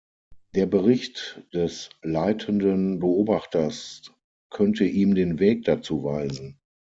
Der Bericht des Leitenden Beobachters könnte ihm den Weg dazu weisen.